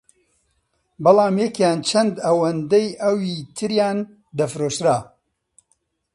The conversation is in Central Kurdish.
بەڵام یەکیان چەند ئەوەندەی ئەوی تریان دەفرۆشرا